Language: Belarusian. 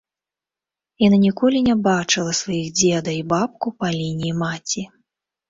Яна ніколі не бачыла сваіх дзеда і бабку па лініі маці.